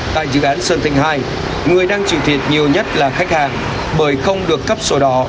tại dự án sơn thanh hai người đang chịu thiệt nhiều nhất là khách hàng bởi không được cấp sổ đỏ